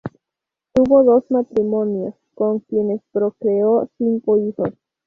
Tuvo dos matrimonios, con quienes procreó cinco hijos.